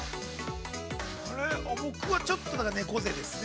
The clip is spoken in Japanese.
僕はちょっと猫背ですね。